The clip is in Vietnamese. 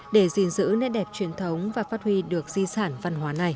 để gìn giữ nét đẹp truyền thống và phát huy được di sản văn hóa này